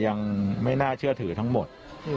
ยังไม่น่าเชื่อถือทั้งหมด